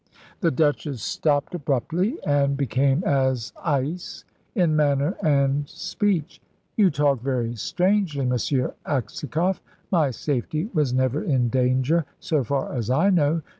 The Duchess stopped abruptly, and became as ice in manner and speech. "You talk very strangely M. Aksakoff. My safety was never in danger, so far as I know.